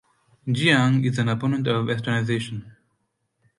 Jiang is an opponent of Westernisation.